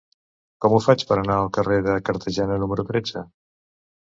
Com ho faig per anar al carrer de Cartagena número tretze?